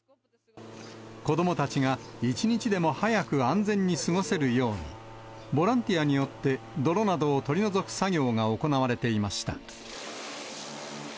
子どもたちが一日でも早く安全に過ごせるように、ボランティアによって、泥などを取り除く作業が行われていました。